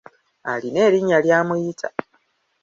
Alina erinnya ly’amuyita.